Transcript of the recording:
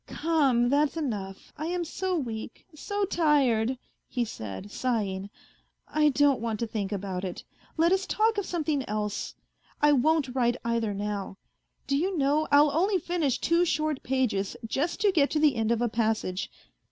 " Come, that's enough, I am so weak, so tired," he said, sighing. " I don't want to think about it. Let us talk of something else. I won't write either now ; do you know I'll only finish two short pages just to get to the end of a passage.